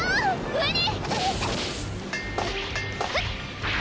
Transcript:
上に！